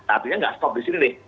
artinya gak stop disini nih